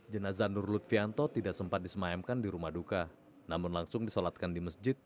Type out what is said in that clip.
jenazah nur lutfianto tidak sempat disemayamkan di rumah duka namun langsung disolatkan di masjid